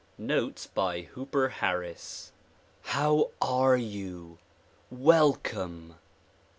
Notes by Hooper Harris LI OW are you? Welcome!